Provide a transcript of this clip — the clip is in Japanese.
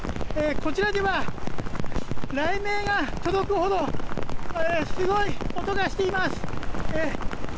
こちらでは雷鳴が届くほどすごい音がしています。